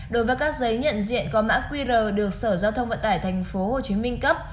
đối với các giấy nhận diện có mã qr được sở giao thông vận tải tp hcm cấp